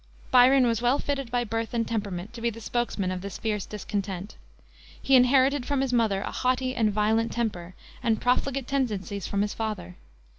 Byron was well fitted by birth and temperament to be the spokesman of this fierce discontent. He inherited from his mother a haughty and violent temper, and profligate tendencies from his father.